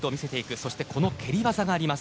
そしてこの蹴り技があります